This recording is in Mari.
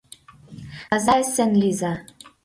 Таза-эсен лийза.